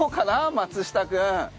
松下君。